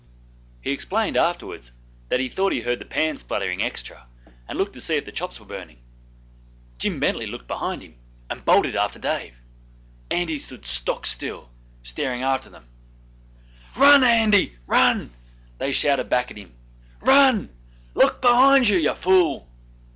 He explained afterwards that he thought he heard the pan spluttering extra, and looked to see if the chops were burning. Jim Bently looked behind and bolted after Dave. Andy stood stock still, staring after them. 'Run, Andy! run!' they shouted back at him. 'Run!!! Look behind you, you fool!